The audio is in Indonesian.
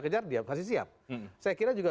kejar dia pasti siap saya kira juga